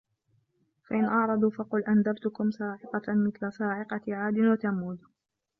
فَإِن أَعرَضوا فَقُل أَنذَرتُكُم صاعِقَةً مِثلَ صاعِقَةِ عادٍ وَثَمودَ